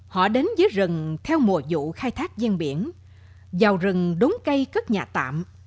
họ đến dưới rừng theo mùa vụ khai thác gian biển vào rừng đốn cây cất nhà tạm